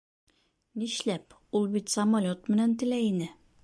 Нишләп? Ул бит самолет менән теләй ине